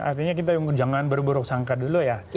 artinya kita jangan berburuk sangka dulu ya